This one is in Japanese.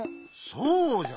そうじゃ。